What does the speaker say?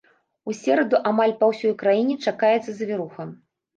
У сераду амаль па ўсёй краіне чакаецца завіруха.